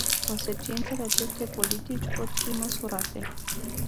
Consecințele acestei politici pot fi măsurate.